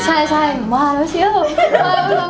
อ่าใช่บ้าสิอะบ้าสิอะ